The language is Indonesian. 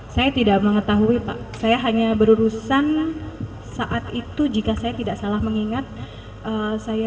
saya tidak mengetahui pak saya hanya berurusan saat itu jika saya tidak salah mengingat saya